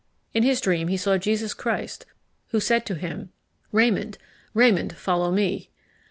In his dreams he saw Jesus Christ, who said to him, "Raymond! Raymond! follow me!"